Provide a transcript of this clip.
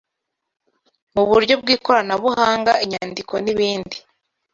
mu buryo bw’ikoranabuhanga, inyandiko n’ibindi